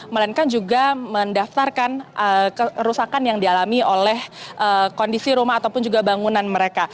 melainkan juga mendaftarkan kerusakan yang dialami oleh kondisi rumah ataupun juga bangunan mereka